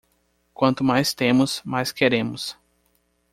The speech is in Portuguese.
Quanto mais temos, mais queremos.